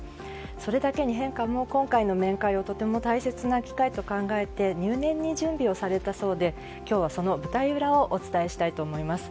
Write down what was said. それだけに陛下も今回の面会をとても大切な機会と考えて入念に準備をされたそうで今日はその舞台裏をお伝えしたいと思います。